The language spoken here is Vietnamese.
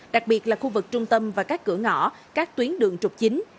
đặc biệt là khu vực trung tâm và các cửa ngõ các tuyến đường trục chính